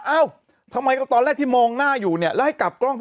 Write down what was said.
เอ้าทำไมก็ตอนแรกที่มองหน้าอยู่เนี่ยแล้วให้กลับกล้อง